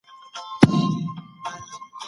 بهرنی سیاست د هیواد په سیاسي او ملي وده کي رول لري.